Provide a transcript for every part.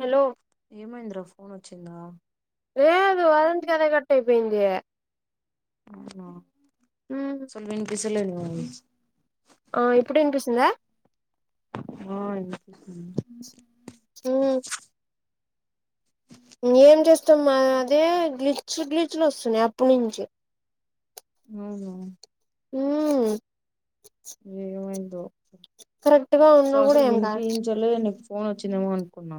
Hello ఏమైంద్ర phone వచ్చిందా లేదు అదంతాల అదే కట్టయిపోయింది ఆ సరిగ్గా ఇనిపిస్తాలే నీ వాయిస్ ఆ ఇప్పుడు ఇనిపిస్తుందా ఆ ఇనిపిస్తుంది హ్మ్ ఏం చేస్తున్న అదే గ్లిచ్ గ్లిచులు వస్తున్నాయి అప్పటి నుంచి అవునా హ్మ్ ఏమైందో కరెక్ట్ గా సో ఉన్నా కూడా అసలు ఏం కాదు వినిపించలే పోన్ వచ్చిందేమో అనుకున్నా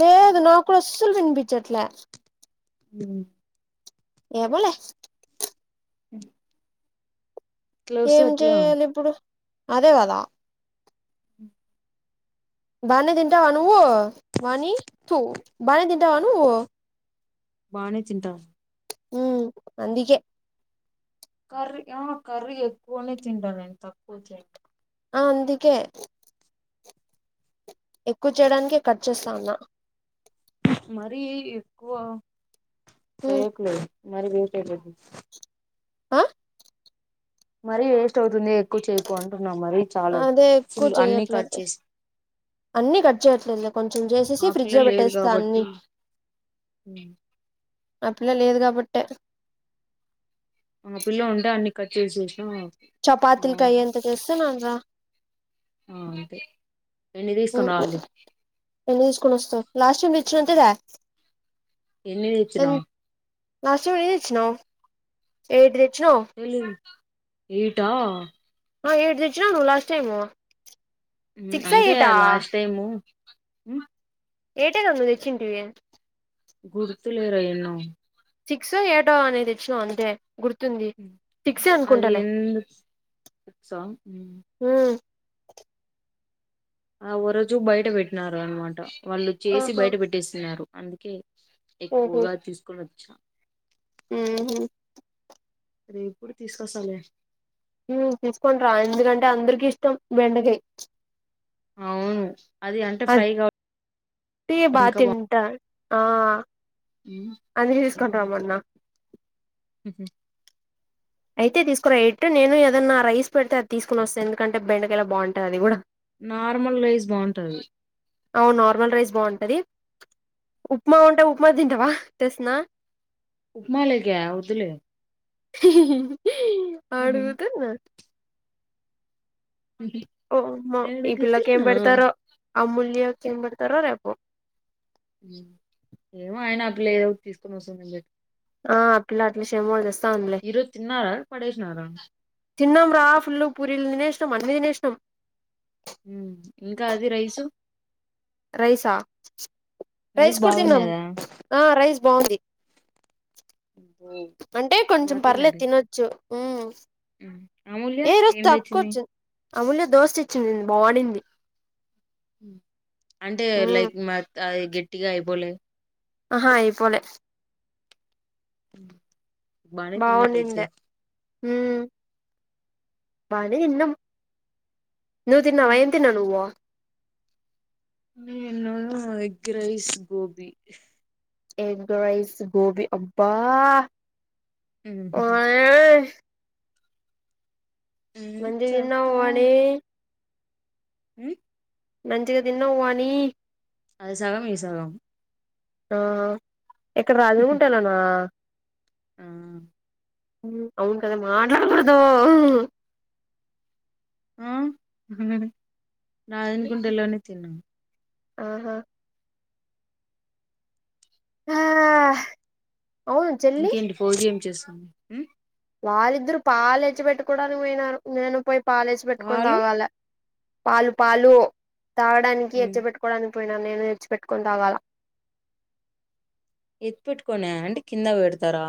లేదు నాకూడా అస్సలు వినిపించట్లే హుమ్ ఏమోలే ఉ ఏం చెయాలి ఇప్పుడు అదే కదా బానే తింటావా నువ్వు వాని తు బానే తింటావా నువ్వు బానే తింటా ఉ అందికే కర్రీ ఆ కర్రీ ఎక్కువనే తింటా నేను తక్కువ తినా అందుకే ఎక్కువ చేయడానికే కట్ చేస్తాన్నా మరీ ఎక్కువ చేయకులే మరీ వేస్ట్ అయిపోద్ది ఆ మరీ వేస్ట్ అవుతుంది ఎక్కువ చేయకు అంటున్నా మరీ చాలా అదే ఎక్కువ ఫుల్ అన్నికట్ చేయట్లేదు చేసి అన్ని కట్ చేయట్లేదులే కొంచెం చేసేసి ఫ్రిడ్జ్ లో పెట్టేస్తా అన్ని హు ఆ పిల్ల లేదు కాబట్టే ఆ పిల్ల ఉంటే అన్ని కట్ చేసేసినా చపాతీకి బాగుంటుంది అయ్యేంతా చేస్తున్నానురా ఆ అంతే ఎన్ని తీసుకుని రావాలి ఎన్ని తీసుకొని వస్తావ్ లాస్ట్ టైం తెచ్చినంతే తే ఎన్ని తెచ్చినా లాస్ట్ టైం ఎన్ని తెచ్చినవ్ ఎయిట్ తె తెలీదు ఎయిటా ఆ ఎయిట్ తెచ్చినవు నువ్వు లాస్ట్ టైమ్ ఉమ్ అంటే లాస్ట్ టైము ఉమ్ ఎయిటే కదా నువ్వు తెచ్చింటివి గుర్తులేరా ఎన్నో సిక్సో ఏయిటో అన్ని తెచ్చినవు అంతే గుర్తుంది ఉమ్. సిక్సే అది అనుకుంటలే ఎందుకు బుక్సా హూ ఆ ఓరోజు బయట పెట్టినారు అన్నమాట వాళ్ళు చేసి ఆహా బయట పెట్టేస్తున్నారు అందుకే ఎక్కువగా తీసుకొని వచ్చా హు హూ రేపు కూడా తీసుకొస్తాలే హూ తీసుకోనిరా ఎందుకంటే అందరికి ఇష్టం బెండకాయ అవును అది అంటే ఫ్రై అట్టి కావ బా ఇంకా బాగు తింటా ఆ అందుకే తీసుకొని రమ్మన్నా అయితే తీసుకురా ఎయిట్ నేను ఏదన్నా రైస్ పెడితే అది తీసుకుని వస్త ఎందుకంటే బెండకాయలా బాగుంటది అది కూడా నార్మల్ రైస్ బావుంటది అవును నార్మల్ రైస్ బావుంటది ఉప్మా ఉంటే ఉప్మా తింటవా తెస్తున్నా ఉప్మా లేక వద్దులే ఉహు. అడుగుతున్నా ఓ మా ఈ పిల్లకి ఏం అడుగుతున్నా పెడతారో అమూల్యకి ఏం పెడతారో రేపు ఏమో ఆయిన ఆ పిల్ల ఏదో ఒకటి తీసుకొని వస్తుందిలే ఉమ్ ఆ పిల్ల అట్ల శమోల్ తెస్ తాందిలే ఈ రోజు తిన్నారా పడేసినారా తిన్నాంరా ఫుల్లు పూరిల్ తినేస్ మొత్తం అన్ని తినేసినం ఉమ్ ఇంకా అది రైసు రైసా రైస్ కూడా తిన్నం మ్ రైస్ బాగుంది అబ్బో అంటే బా కొంచెం పర్లే తిన్నారే తినొచ్చు అమూల్య ఏ రోజు ఏమి తక్కువ తెచ్చింది వచ్చింది అమూల్య దోశ ఇచ్చింది బాగుడింది అంటే ఉమ్. లైక్ మ అది గట్టిగా అయిపోలే ఆహా అయిపోలే బానే తిన్నాడయితే ఊ బానే తిన్నం నువు తిన్నావ ఏం తిన్నావ్ నువ్ నేనా egg rice gobi egg rice gobi అబ్బా ఉ ఓయ్ ఉమ్, మంచిగ తిన్నావా మరి ఉ మంచిగా తిన్నవాని అది సగం ఇది సగం ఆ ఇక్కడ రాజగుంటలానా ఆ అవును కదా మాట్లాడకూడదు ఆ నాదనుకుంట అలానె తిన్నాను ఆహా ఆ అవును చెల్లి ఇంకేంటి ఫోజి ఏం చేస్తుంది వారిద్దరు పాలెచ్చపెట్టుకోవడానికి పోయినారు నేను పోయి పాలేచ్చపెట్టుకొని పాలు తాగాల పాలు పాలు తాగడానికి ఎచ్చ ఉమ్ పెట్టుకోవడానికి పోయినా నేను ఎచ్చపెట్టుకొని తాగాల ఎత్తు పెట్టుకొనా అంటే కింద పెడతారా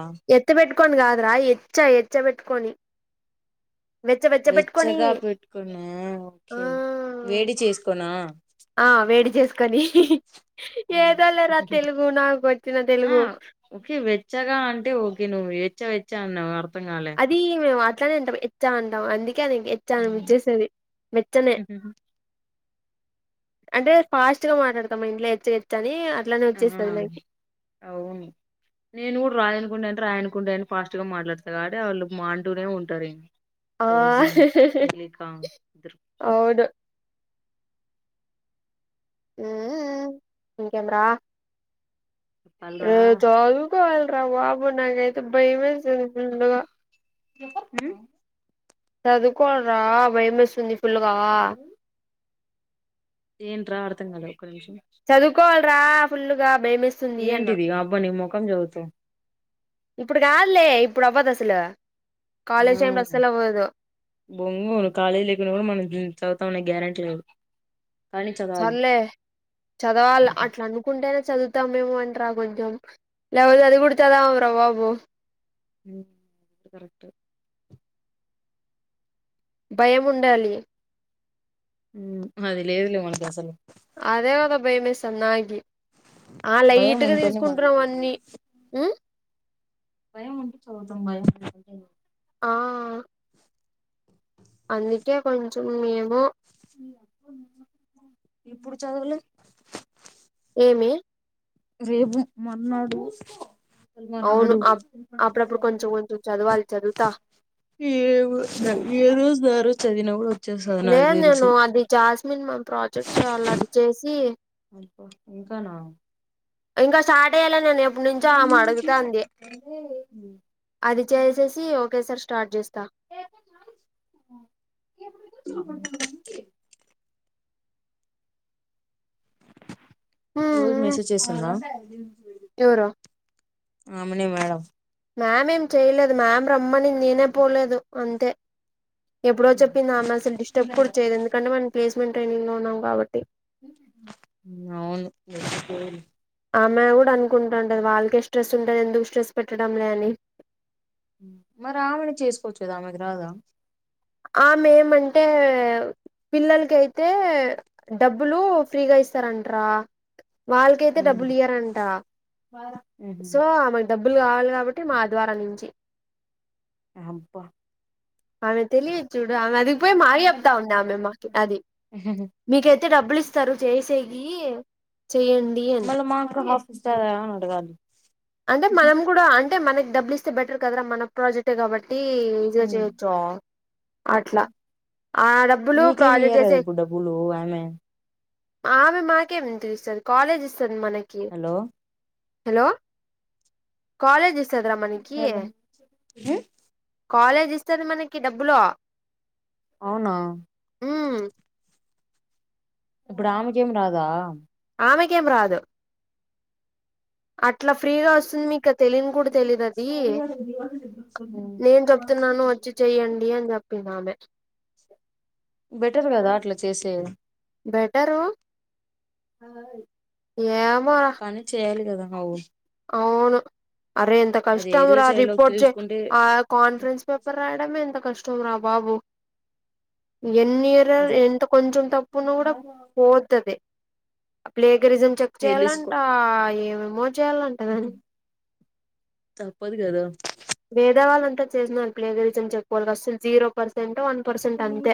ఎత్తుకొని గాదురా ఎచ్చ ఎచ్చ పెట్టుకొని వెచ్చ వెచ్చ పెట్టుకొని వెచ్చగా పెట్టుకొనా ఆ ఓకే వేడి చేసుకోనా ఆ వేడి చేసుకొని హ్మ్ ఏదో లేరా తెలుగు నాకొచ్చిన ఆ తెలుగు ఓకే వెచ్చగా అంటే ఓకే నువ్వు వెచ్చ వెచ్చ అన్నావుగా అది మేము అట్లానేంటాం ఎచ్చా అంటాం అందు ఎచ్చాను చేసేది వెెచ్చనే అంటే ఫాస్ట్ గా మాట్లాడతాం ఇంట్లో ఎచ్చఎచ్చని ఆ అవును నేను కూడ రాయనుకున్నాను రాయనుకుంటే అని ఫాస్ట్ గా మాట్లాడతారు కాబట్టి వాళ్ళు మాంటూనే ఉంటారు ఆ ఫౌజీ నిలికా ఇద్దరు అవును ఊ ఇంకెందిరా ర చెప్పాలరా చదువుకోవాలరా బాబు నాకైతే భయమేస్తుంది ఫుల్లుగా ఎప్ప చదువుకోవాలరా భయం ఏస్తుంది ఫుల్గా ఏంట్రా అర్థం కాలే ఒక నిమిషం చదువుకోవాలిరా ఫుల్లుగా భయమేస్తుంది అన్న ఏంటిది అబ్బా ని మోకం చదువుతుంది ఇప్పుడు కాదులే ఇప్పుడు అవ్వదు అసలు ఆ కాలేజ్ టైమ్ లో అస్సలు అవ్వదు బొంగు కాలేజ్ లేకున్నా కూడా మనం చ ఉన్నా గ్యారెంటీ లేదు కానీ చదవాలి సర్లే చదవాలి అట్లా అనుకుంటేనే చదువుతామేమోంటరా కొంచెం లేకపోతే అది కూడా చదవడం రా బాబు ఉమ్ కరెక్ట్ ఏ భయం ఉండాలి ఉమ్ అది లేదులే మనకు అసలు అదే కద భయం వేస్సంది నాకూ ఆ భయం లైట్గా ఉంటేనే మనం తీసుకుంటున్నాం చదివి అన్నీ భయం ఉంటే చదువుతాం భయం అంటే ఆ ఓ అందుకే కొంచం మీ ఇప్పుడు చదువులు ఏమి రేపు మర్నాడు అవును మార్నాడు అప్ అప్పుడప్పుడు కొంచెం కొంచెం చదవాలి చదువుతా ఏ ఏ రోజు ఆ రోజది చదివిన కూడా వచ్చేస్తది నే నాకు నేను తెలిసి అది జాస్మిన్ మంత్ర ప్రాజెక్ట్ చేయాలి అది చేసి ఇంకా నా ఇంకా స్టార్ట్ ఏ చేయాలా నేను ఎప్పటి నుంచో ఆమె అడుగుతంది అది చేసేసి ఒకే సారి స్టా స్టార్ట్ చేస్తా [inaudible] రోజు మెసేజ్ చేస్తుందా ఎవరు ఆమని మేడం మ్యామ్ ఏం చేయలేదు మ్యామ్ రమ్మని నేనే పోలేదు అంతే ఎప్పుడో చెప్పింది ఆమె అసలు డిస్టర్బ్ కూడా చేయదు ఎందుకంటే మనం ప్లేస్మెంట్ ట్రైనింగ్ లో ఉన్నాం కాబట్టి అవును ఆమె కూడా అనుకుంటు ఉంటది వాళ్ళకే స్ట్రెస్ ఉంటుంది ఎందుకు స్ట్రెస్ పెట్టడంలే అని మరి ఆమెను చేసుకోవచ్చు కదా ఆమెకి రాదా ఆమె ఏమంటే పిల్లలకి అయితే డబ్బులు ఫ్రీగా ఇస్తారంటరా వాళ్ళకైతే డబ్బులు ఇయ్యారంట ఉహు సో ఆమెకు డబ్బులు కావాలి కాబట్టి మా ద్వారా నుంచి అబ్బా ఆమె తెలీ చూడు అదిగిపోయి మాకే చెప్తా ఉన్నా మే మాకి అది మీకైతే డబ్బులు ఇస్తారు చేసే ఈ చేయండి అని ఇస్తద ఆమెని అడగాలి అంటే మనం కూడా అంటే మనకి డబ్బులు ఇస్తే బెటర్ కదరా మన ప్రాజెక్ట్ ఏ కాబట్టి ట్టి ఎంజాయ్ చేయచ్చు అట్లా ఆ డబ్బులు నీకేమి ప్రాజెక్ట్ ఇయ్యరా చేసే ఇప్పుడు డబ్బులు ఆమె ఆమె మాకేమి ఎంతి ఇస్తది కాలేజ్ ఇస్తుంది మనకి హలో హలో కాలేజ్ ఇస్తదిరా మనకి హలో కాలేజ్ ఇస్తది మనకి డబ్బులు అవునా ఉమ్ ఇప్పుడు ఆమెకేం రాదా ఆమెకేం రాదు అట్ అట్లా ఫ్రీగా వస్తుంది మీకు తెలియని కూడా తెలీదు అది నేను చెప్తున్నాను వచ్చి చెయ్యండి అని చెప్పింది ఆమె బెటర్ కదా అట్లా చేసే బెటరు నాన్న గారి ఏమో కదా అవు అవును అరే ఎంత అది కష్టం ఎలా రా చేయాలో రిపోర్ట్ తెలుసుకుంటే ఆ కాన్ఫరెన్స్ పేపర్ రాయడమే ఎంత క ష్టం రా బాబు ఎన్ ఇయర్ అదే ఎంత కొంచెం తప్పునా కూడా పోతది ప్లే గరిజన్ చెక్ చేయాలంట తెలుసుకో ఏమేమో చెయ్యాలంట దాని తప్పదు కదా భేదవాళ్ళంతా చేసిన ప్లే చేసినా అని చెప్పుకోవాలి అసలు జీరో పర్సెంట్ అం పర్సెట్ అంతే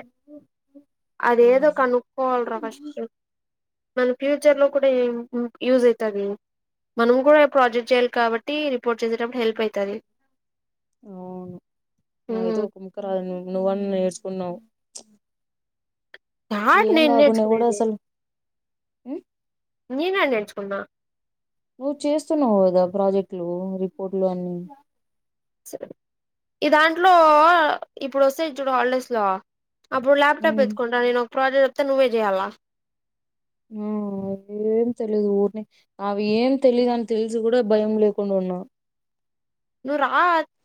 అది ఏదో కనుకోవాలి రా ఫస్ట్ మన ఫ్యూచర్ లో కూడా యూ యూజ్ అయితది మనం కూడా ప్రాజెక్ట్ చేయాలి కాబట్టి రిపోర్ట్ చేసేటప్పుడు హెల్ప్ అయితది అవును నా కైతే ఒక ముక్క రాదు అన్న నువ్వు అన్న నేర్చుకున్నావు యాడ ఏం నేను రాకుండా ఎవడు నేర్చుకునేది అసలు ఉమ్ నీనా నేర్చుకున్నా నువ్వు చేస్తున్నావు కదా ప్రాజెక్టులు రిపోర్ట్లు అన్ని సరే ఈ దాంట్లో ఇప్పుడు వస్తాయి చూడు హాలిడేస్ లో అప్పుడు ల్యాప్టాప్ ఉమ్ ఎత్తుకుంటాను నేను ఒక ప్రాడెక్ట్ వస్తే నువ్వే చేయ్యాలా ఆమ్ వస్తే ఏం తెలీదు ఊరినే అవి ఏం తెలీదు అని తెలిసి కూడా భయం లేకుండా ఉన్నా నువ్వు రా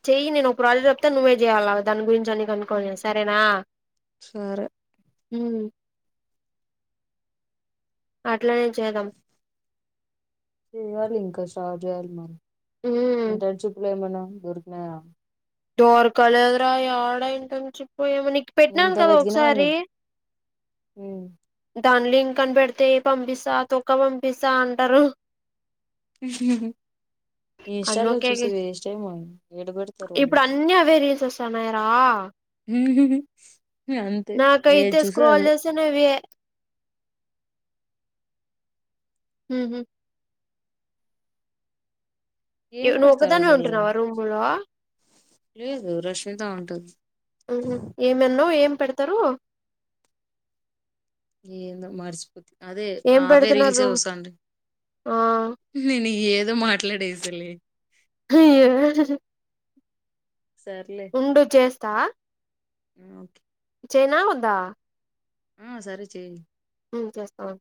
చెయ్యి నేను ఒక ప్రాజెక్ట్ చెప్తా నువ్వే చేయాలి దాని గురించి దాని కనుక్కొని ఉమ్, చేస్తా సరేనా సరే అట్లానే చేద్దాం చేయాలి ఇంకా స్టార్ట్ చేయాలి మరి ఉమ్ ఇంటర్న్షిప్ లో ఏమన్నా దోరికినాయ దోరక లేదురా యడా ఇంటర్న్షి పో ఎమో నీకు పెట్టినాను కదా ఒకసారి హమ్ దాని లింక్ అని పెడితే ఏ పంపిస్తా తొక్క పంపిస్తా అంటారు ఉహు ఉహు ఇన్స్టాలో అందుకే చూసి వేస్ట్ ఏమో యడ పెడతారు వాళ్ళు ఇప్పుడు అన్ని అవే రీల్స్ వస్తాన్నాయి రా ఉహుమ్ నాకైతే స్క్రోల్ అదే చేస్తేనే ఇవే ఉహుమ్ ఏం నువ్వు పెడతారు ఒకదాని వే అసలు ఉంటున్నావా రూము లో లేదు రష్ అంతా ఉంటది ఉహుమ్ ఏం అన్నావు ఏం పెడతారు ఏందో మార్చే అదే ఏం ఆవే రీల్సే పెడుతున్నారు వస్తాండయి ఆ నేను ఏ ఏదో మాట్లాడే శాలే అయ్యో [unintelligible] సర్లే ఉండు చేస్తా ఓకే చేయినా వదా ఆ సరే చేయి ఏం చేస్తాం